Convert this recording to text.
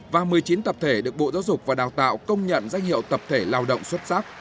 và một mươi chín tập thể được bộ giáo dục và đào tạo công nhận danh hiệu tập thể lao động xuất sắc